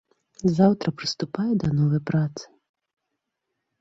Заўтра прыступае да новай працы.